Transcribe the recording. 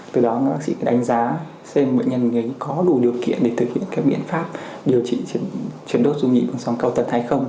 từ đó bác sĩ đánh giá xem mệnh nhân có đủ điều kiện để thực hiện biện pháp điều trị triệt đốt dung nghĩ bằng sóng cao tần hay không